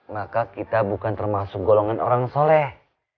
maka kita bukan termasuk golongan orang soleh